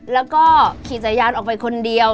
แล้วก็ขี่จักรยานออกไปคนเดียว